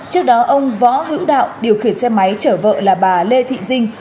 trước đó ông võ hữu đạo điều khiển xe máy chở vợ là bà lê thị dinh